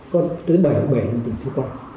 có tới bảy hộp bể trên tỉnh sơn quang